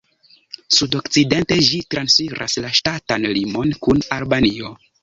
Sudokcidente ĝi transiras la ŝtatan limon kun Albanio.